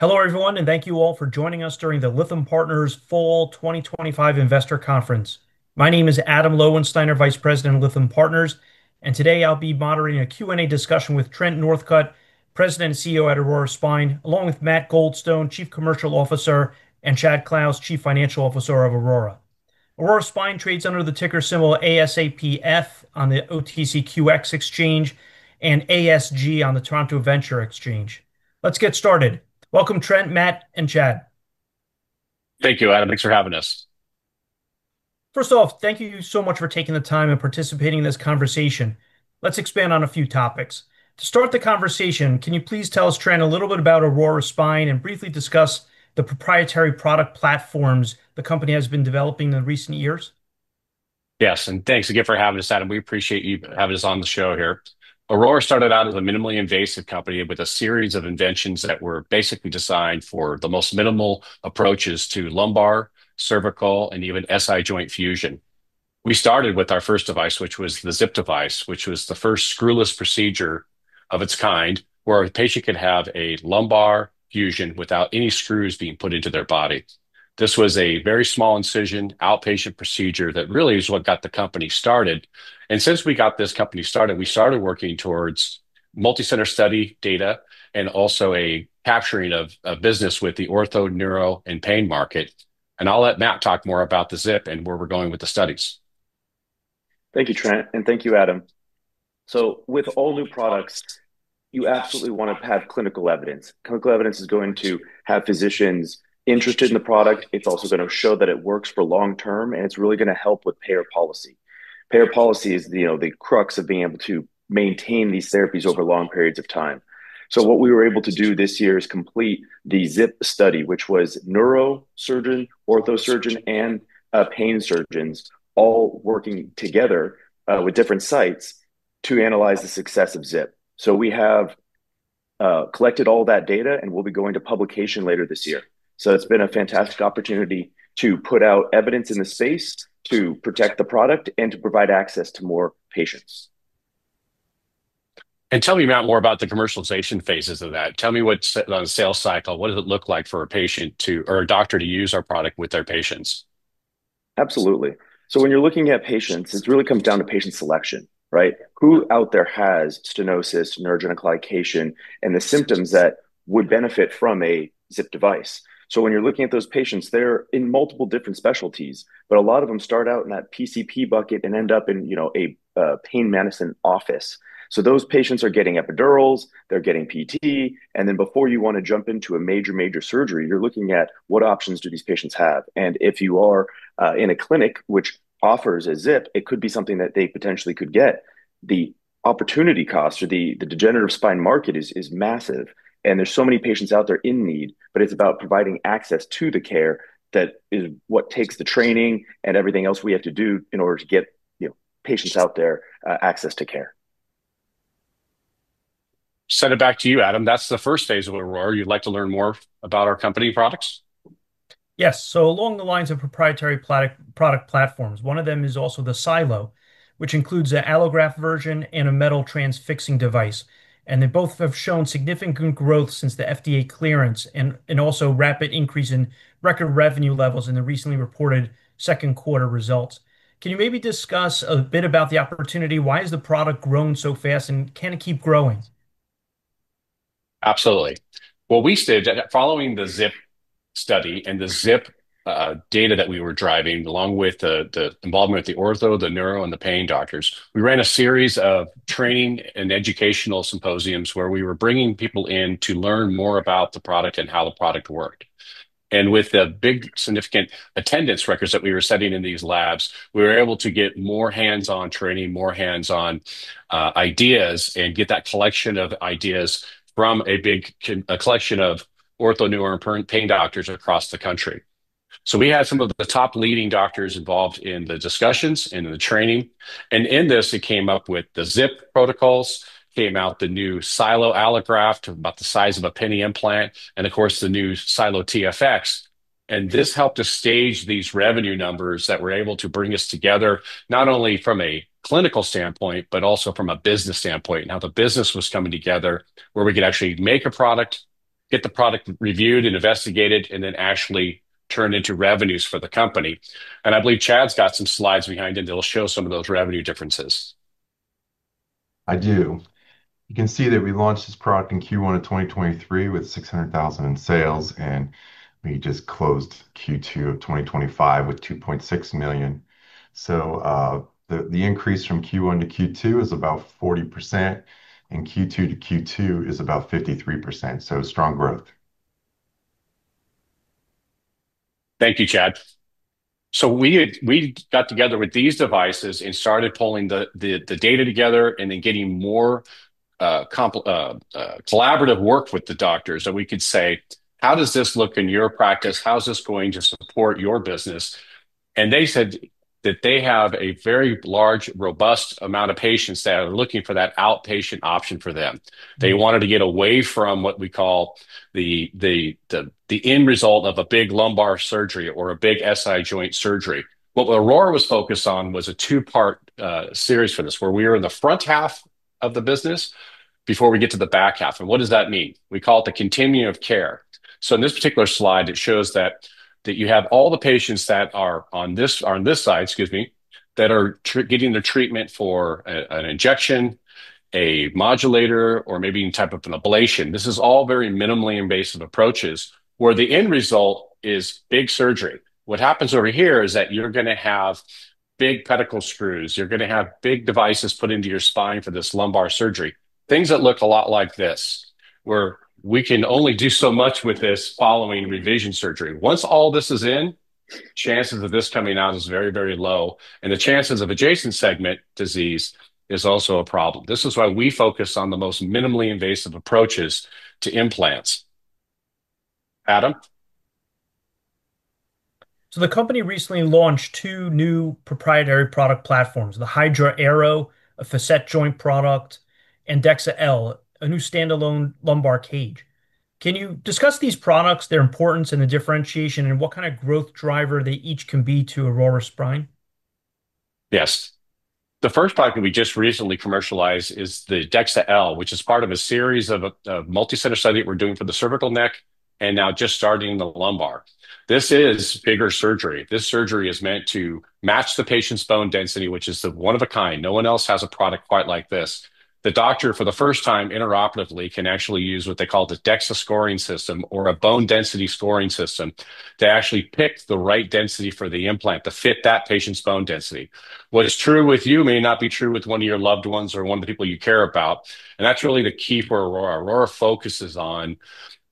Hello everyone, and thank you all for joining us during the Lytham Partners Fall 2025 Investor Conference. My name is Adam Lowensteiner, Vice President of Lytham Partners, and today I'll be moderating a Q&A discussion with Trent Northcutt, President and CEO at Aurora Spine, along with Matt Goldstone, Chief Commercial Officer, and Chad Clouse, Chief Financial Officer of Aurora. Aurora Spine trades under the ticker symbol ASAPF on the OTCQX and ASG on the Toronto Venture Exchange. Let's get started. Welcome, Trent, Matt, and Chad. Thank you, Adam. Thanks for having us. First off, thank you so much for taking the time and participating in this conversation. Let's expand on a few topics. To start the conversation, can you please tell us, Trent, a little bit about Aurora Spine and briefly discuss the proprietary product platforms the company has been developing in recent years? Yes, and thanks again for having us, Adam. We appreciate you having us on the show here. Aurora started out as a minimally invasive company with a series of inventions that were basically designed for the most minimal approaches to lumbar, cervical, and even SI joint fusion. We started with our first device, which was the zip device, which was the first screwless procedure of its kind where a patient could have a lumbar fusion without any screws being put into their body. This was a very small incision, outpatient procedure that really is what got the company started. Since we got this company started, we started working towards multicenter study data and also a capturing of business with the ortho, neuro, and pain market. I'll let Matt talk more about the zip and where we're going with the studies. Thank you, Trent, and thank you, Adam. With all new products, you absolutely want to have clinical evidence. Clinical evidence is going to have physicians interested in the product. It's also going to show that it works for long term, and it's really going to help with payer policy. Payer policy is the crux of being able to maintain these therapies over long periods of time. What we were able to do this year is complete the zip study, which was neurosurgeon, orthopedic surgeon, and pain surgeons all working together with different sites to analyze the success of zip. We have collected all that data, and we'll be going to publication later this year. It's been a fantastic opportunity to put out evidence in the space to protect the product and to provide access to more patients. Tell me, Matt, more about the commercialization phases of that. Tell me what's on the sales cycle. What does it look like for a patient to, or a doctor, to use our product with their patients? Absolutely. When you're looking at patients, it really comes down to patient selection, right? Who out there has stenosis, neurogenic claudication, and the symptoms that would benefit from a zip device? When you're looking at those patients, they're in multiple different specialties, but a lot of them start out in that PCP bucket and end up in a pain medicine office. Those patients are getting epidurals, they're getting PT, and before you want to jump into a major, major surgery, you're looking at what options do these patients have? If you are in a clinic which offers a zip, it could be something that they potentially could get. The opportunity cost or the degenerative spine market is massive, and there's so many patients out there in need, but it's about providing access to the care that is what takes the training and everything else we have to do in order to get patients out there access to care. Set it back to you, Adam. That's the first phase of Aurora Spine. You'd like to learn more about our company products? Yes, along the lines of proprietary product platforms, one of them is also the SiLO, which includes an allograft version and a metal transfixing device. They both have shown significant growth since the FDA clearance and also a rapid increase in record revenue levels in the recently reported second quarter results. Can you maybe discuss a bit about the opportunity? Why has the product grown so fast, and can it keep growing? Absolutely. What we did following the zip study and the zip data that we were driving, along with the involvement of the ortho, the neuro, and the pain doctors, we ran a series of training and educational symposiums where we were bringing people in to learn more about the product and how the product worked. With the big, significant attendance records that we were setting in these labs, we were able to get more hands-on training, more hands-on ideas, and get that collection of ideas from a big collection of ortho, neuro, and pain doctors across the country. We had some of the top leading doctors involved in the discussions and the training. In this, it came up with the zip protocols, came out the new SiLO allograft about the size of a penny implant, and of course the new SiLO-TFX. This helped us stage these revenue numbers that were able to bring us together not only from a clinical standpoint, but also from a business standpoint and how the business was coming together where we could actually make a product, get the product reviewed and investigated, and then actually turn into revenues for the company. I believe Chad's got some slides behind him that'll show some of those revenue differences. I do. You can see that we launched this product in Q1 of 2023 with $600,000 in sales, and we just closed Q2 of 2025 with $2.6 million. The increase from Q1 to Q2 is about 40%, and Q2 to Q2 is about 53%. Strong growth. Thank you, Chad. We got together with these devices and started pulling the data together, then getting more collaborative work with the doctors that we could say, how does this look in your practice? How is this going to support your business? They said that they have a very large, robust amount of patients that are looking for that outpatient option for them. They wanted to get away from what we call the end result of a big lumbar surgery or a big SI joint surgery. What Aurora Spine was focused on was a two-part series for this where we are in the front half of the business before we get to the back half. What does that mean? We call it the continuum of care. In this particular slide, it shows that you have all the patients that are on this side, excuse me, that are getting the treatment for an injection, a modulator, or maybe even type of an ablation. This is all very minimally invasive approaches where the end result is big surgery. What happens over here is that you're going to have big pedicle screws. You're going to have big devices put into your spine for this lumbar surgery. Things that look a lot like this, where we can only do so much with this following revision surgery. Once all this is in, chances of this coming out is very, very low. The chances of adjacent segment disease is also a problem. This is why we focus on the most minimally invasive approaches to implants. The company recently launched two new proprietary product platforms, the HYDRA A.E.R.O., a Facet joint product, and DEXA-L, a new standalone lumbar cage. Can you discuss these products, their importance, and the differentiation, and what kind of growth driver they each can be to Aurora Spine? Yes. The first product that we just recently commercialized is the DEXA-L, which is part of a series of multicenter studies that we're doing for the cervical neck and now just starting in the lumbar. This is bigger surgery. This surgery is meant to match the patient's bone density, which is one of a kind. No one else has a product quite like this. The doctor, for the first time intraoperatively, can actually use what they call the DEXA scoring system or a bone density scoring system to actually pick the right density for the implant to fit that patient's bone density. What is true with you may not be true with one of your loved ones or one of the people you care about. That's really the key for Aurora. Aurora focuses on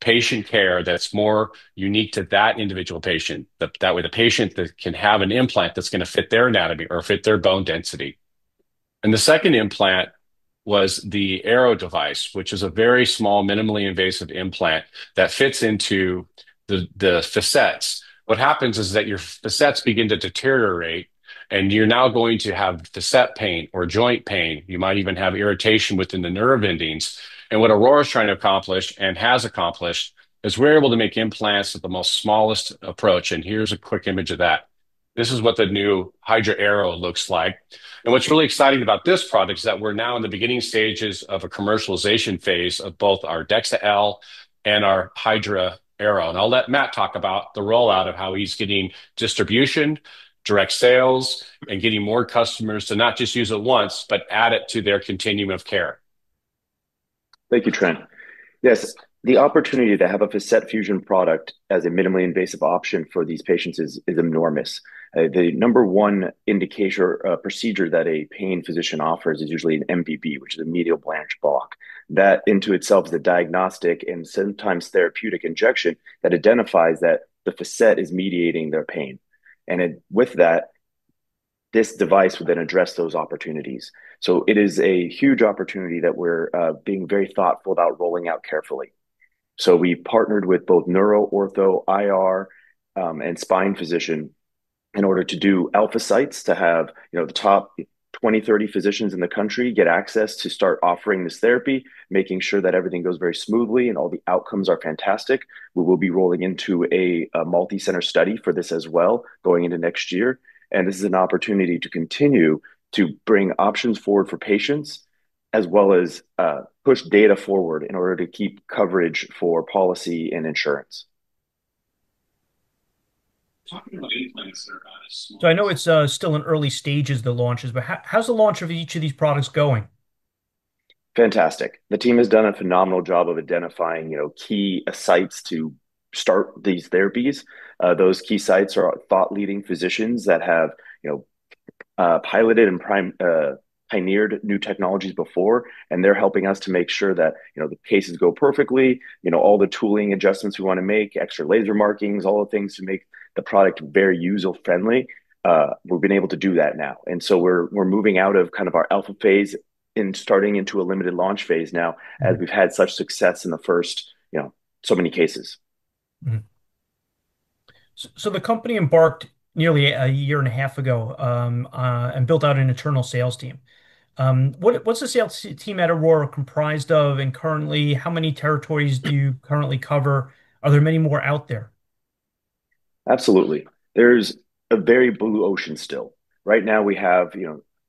patient care that's more unique to that individual patient. That way, the patient can have an implant that's going to fit their anatomy or fit their bone density. The second implant was the AERO device, which is a very small, minimally invasive implant that fits into the facets. What happens is that your facets begin to deteriorate, and you're now going to have facet pain or joint pain. You might even have irritation within the nerve endings. What Aurora is trying to accomplish and has accomplished is we're able to make implants with the most smallest approach. Here's a quick image of that. This is what the new HYDRA A.E.R.O looks like. What's really exciting about this product is that we're now in the beginning stages of a commercialization phase of both our DEXA-L and our HYDRA A.E.R.O. I'll let Matt talk about the rollout of how he's getting distribution, direct sales, and getting more customers to not just use it once, but add it to their continuum of care. Thank you, Trent. Yes, the opportunity to have a facet fusion product as a minimally invasive option for these patients is enormous. The number one indication or procedure that a pain physician offers is usually an MVP, which is a medial branch block. That in and of itself is a diagnostic and sometimes therapeutic injection that identifies that the Facet is mediating their pain. With that, this device would then address those opportunities. It is a huge opportunity that we're being very thoughtful about rolling out carefully. We partnered with both neuro, ortho, IR, and spine physicians in order to do alpha sites to have the top 20, 30 physicians in the country get access to start offering this therapy, making sure that everything goes very smoothly and all the outcomes are fantastic. We will be rolling into a multicenter study for this as well, going into next year. This is an opportunity to continue to bring options forward for patients, as well as push data forward in order to keep coverage for policy and insurance. I know it's still in early stages of the launches, but how's the launch of each of these products going? Fantastic. The team has done a phenomenal job of identifying key sites to start these therapies. Those key sites are thought-leading physicians that have piloted and pioneered new technologies before, and they're helping us to make sure that the cases go perfectly. All the tooling adjustments we want to make, extra laser markings, all the things to make the product very user-friendly, we've been able to do that now. We're moving out of kind of our alpha phase and starting into a limited launch phase now, as we've had such success in the first so many cases. The company embarked nearly a year and a half ago and built out an internal sales team. What's the sales team at Aurora comprised of, and currently how many territories do you currently cover? Are there many more out there? Absolutely. There's a very blue ocean still. Right now, we have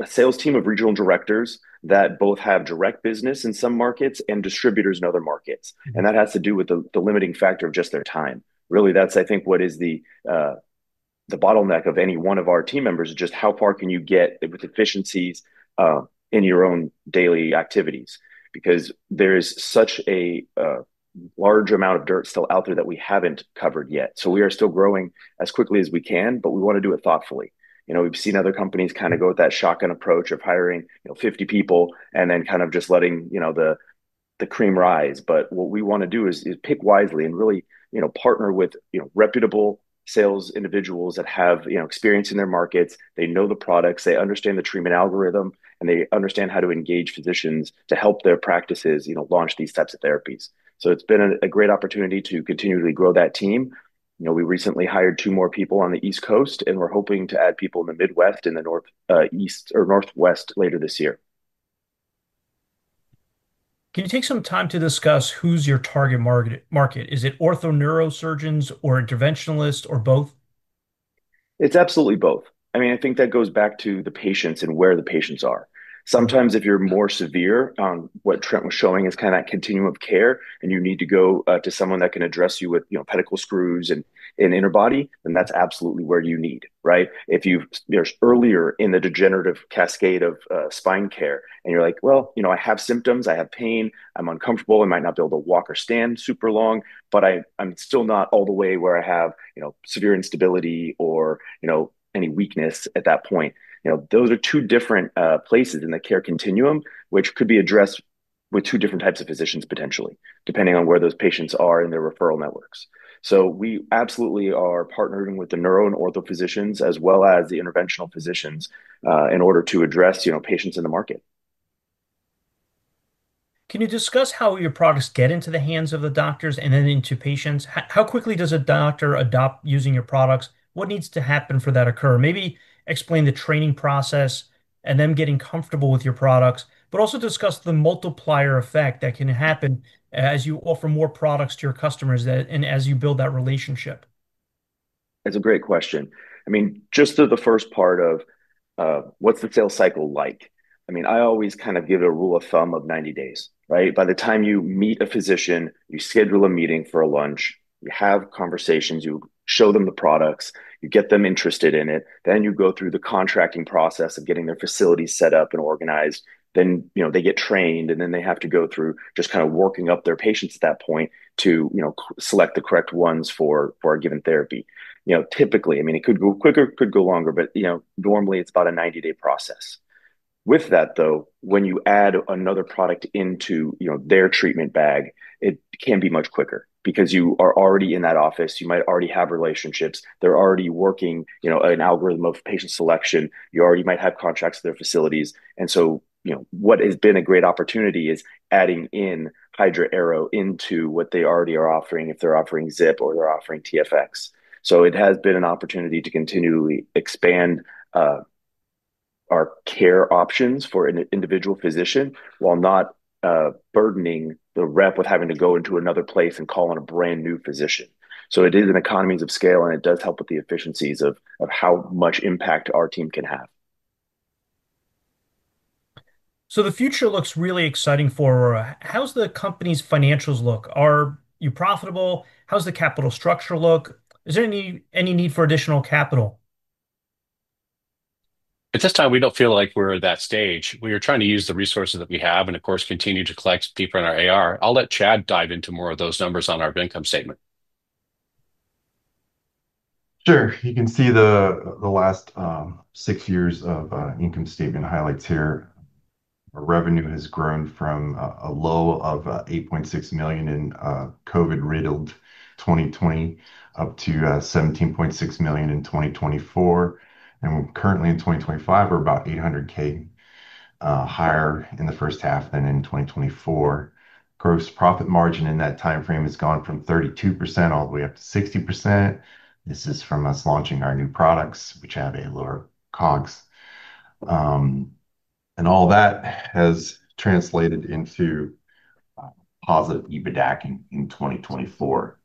a sales team of Regional Directors that both have direct business in some markets and distributors in other markets. That has to do with the limiting factor of just their time. Really, that's, I think, what is the bottleneck of any one of our team members is just how far can you get with efficiencies in your own daily activities? There is such a large amount of dirt still out there that we haven't covered yet. We are still growing as quickly as we can, but we want to do it thoughtfully. We've seen other companies kind of go with that shotgun approach of hiring 50 people and then just letting the cream rise. What we want to do is pick wisely and really partner with reputable sales individuals that have experience in their markets. They know the products, they understand the treatment algorithm, and they understand how to engage physicians to help their practices launch these types of therapies. It's been a great opportunity to continually grow that team. We recently hired two more people on the East Coast, and we're hoping to add people in the Midwest and the Northeast or Northwest later this year. Can you take some time to discuss who's your target market? Is it ortho, neurosurgeons, or interventionalists, or both? It's absolutely both. I mean, I think that goes back to the patients and where the patients are. Sometimes if you're more severe on what Trent was showing as kind of that continuum of care and you need to go to someone that can address you with pedicle screws and inner body, then that's absolutely where you need, right? If you're earlier in the degenerative cascade of spine care and you're like, you know, I have symptoms, I have pain, I'm uncomfortable, I might not be able to walk or stand super long, but I'm still not all the way where I have severe instability or any weakness at that point. Those are two different places in the care continuum, which could be addressed with two different types of physicians potentially, depending on where those patients are in their referral networks. We absolutely are partnering with the neuro and ortho physicians as well as the interventional physicians in order to address patients in the market. Can you discuss how your products get into the hands of the doctors and then into patients? How quickly does a doctor adopt using your products? What needs to happen for that to occur? Maybe explain the training process and them getting comfortable with your products, but also discuss the multiplier effect that can happen as you offer more products to your customers and as you build that relationship. That's a great question. Just to the first part of what's the sales cycle like? I always kind of give it a rule of thumb of 90 days, right? By the time you meet a physician, you schedule a meeting for a lunch, you have conversations, you show them the products, you get them interested in it, then you go through the contracting process of getting their facilities set up and organized. Then they get trained, and then they have to go through just kind of working up their patients at that point to select the correct ones for a given therapy. Typically, it could go quicker, it could go longer, but normally it's about a 90-day process. With that, when you add another product into their treatment bag, it can be much quicker because you are already in that office, you might already have relationships, they're already working an algorithm of patient selection, you already might have contracts to their facilities. What has been a great opportunity is adding in HYDRA A.E.R.O into what they already are offering if they're offering zip or they're offering TFX. It has been an opportunity to continually expand our care options for an individual physician while not burdening the rep with having to go into another place and call in a brand new physician. It is an economy of scale, and it does help with the efficiencies of how much impact our team can have. The future looks really exciting for Aurora Spine. How's the company's financials look? Are you profitable? How's the capital structure look? Is there any need for additional capital? At this time, we don't feel like we're at that stage. We are trying to use the resources that we have and, of course, continue to collect deeper in our AR. I'll let Chad dive into more of those numbers on our income statement. Sure. You can see the last six years of income statement highlights here. Our revenue has grown from a low of $8.6 million in COVID-riddled 2020 up to $17.6 million in 2024. We're currently in 2025, we're about $800,000 higher in the first half than in 2024. Gross profit margin in that timeframe has gone from 32% all the way up to 60%. This is from us launching our new products, which have a lower COGS. All that has translated into positive EBITDA in 2024.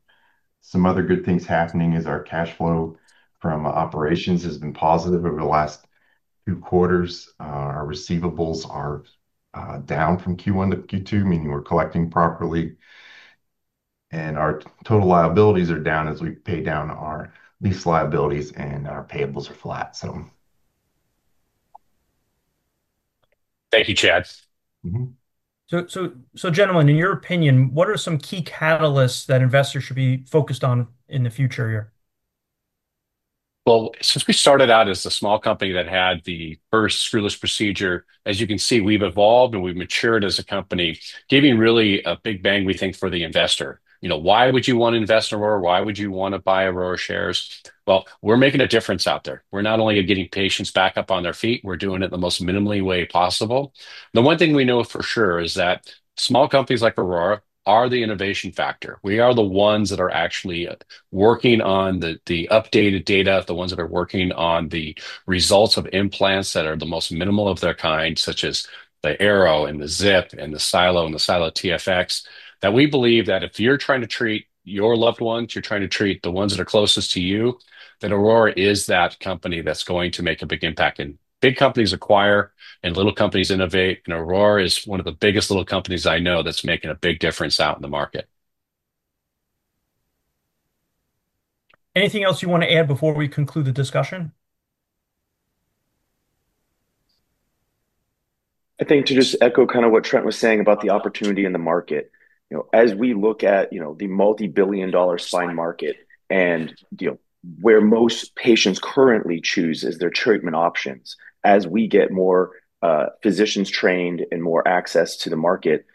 Some other good things happening is our cash flow from operations has been positive over the last two quarters. Our receivables are down from Q1 to Q2, meaning we're collecting properly. Our total liabilities are down as we pay down our lease liabilities and our payables are flat. Thank you, Chad. Gentlemen, in your opinion, what are some key catalysts that investors should be focused on in the future here? Since we started out as a small company that had the first screwless procedure, as you can see, we've evolved and we've matured as a company, giving really a big bang we think for the investor. You know, why would you want to invest in Aurora? Why would you want to buy Aurora shares? We're making a difference out there. We're not only getting patients back up on their feet, we're doing it the most minimally invasive way possible. The one thing we know for sure is that small companies like Aurora are the innovation factor. We are the ones that are actually working on the updated data, the ones that are working on the results of implants that are the most minimal of their kind, such as the AERO implant device, the zip, the SiLO, and the SiLO-TFX, that we believe that if you're trying to treat your loved ones, you're trying to treat the ones that are closest to you, Aurora is that company that's going to make a big impact. Big companies acquire and little companies innovate, and Aurora is one of the biggest little companies I know that's making a big difference out in the market. Anything else you want to add before we conclude the discussion? I think to just echo what Trent was saying about the opportunity in the market. As we look at the multi-billion dollar spine market and where most patients currently choose their treatment options, as we get more physicians trained and more access to the market,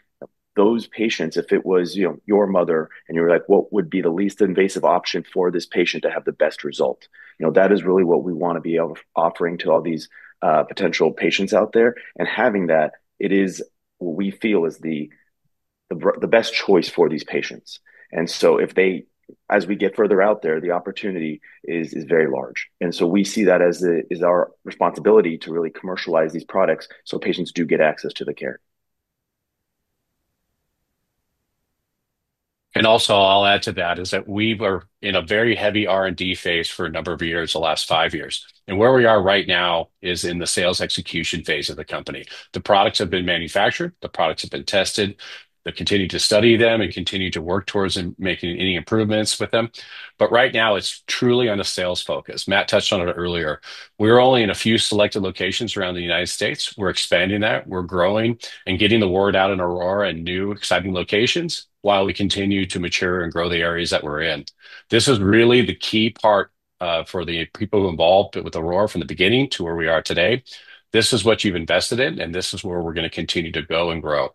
those patients, if it was your mother and you're like, what would be the least invasive option for this patient to have the best result? That is really what we want to be offering to all these potential patients out there. Having that, it is what we feel is the best choice for these patients. If they, as we get further out there, the opportunity is very large. We see that as our responsibility to really commercialize these products so patients do get access to the care. Also, I'll add to that is that we were in a very heavy R&D phase for a number of years, the last five years. Where we are right now is in the sales execution phase of the company. The products have been manufactured, the products have been tested, we continue to study them and continue to work towards making any improvements with them. Right now, it's truly on a sales focus. Matt touched on it earlier. We're only in a few selected locations around the U.S. We're expanding that, we're growing and getting the word out in Aurora and new exciting locations while we continue to mature and grow the areas that we're in. This is really the key part for the people involved with Aurora from the beginning to where we are today. This is what you've invested in and this is where we're going to continue to go and grow.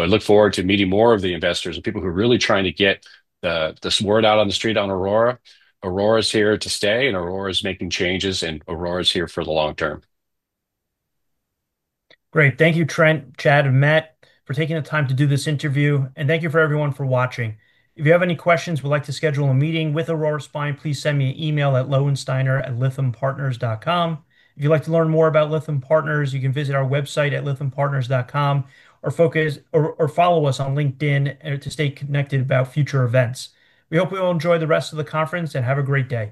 I look forward to meeting more of the investors and people who are really trying to get this word out on the street on Aurora. Aurora is here to stay and Aurora is making changes and Aurora is here for the long term. Great. Thank you, Trent, Chad, and Matt for taking the time to do this interview. Thank you for everyone for watching. If you have any questions, would like to schedule a meeting with Aurora Spine, please send me an email at lowensteiner@lythampartners.com. If you'd like to learn more about Lytham Partners, you can visit our website at lythampartners.com or follow us on LinkedIn to stay connected about future events. We hope you'll enjoy the rest of the conference and have a great day.